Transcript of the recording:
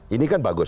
ini kan bagus